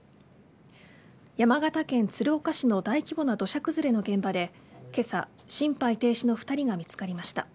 山形県鶴岡市の大規模な土砂崩れの現場でけさ、心肺停止の２人が見つかりました。